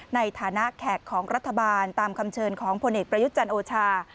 ในฐานะแขกของรัฐบาลตามคำเชิญของพลเอกประยุทธ์จันทร์โอชา